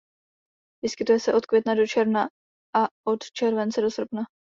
Vyskytuje se od května do června a od července do srpna.